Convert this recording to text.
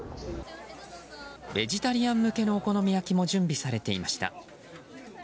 ベジタリアン向けのお好み焼きも準備されていました。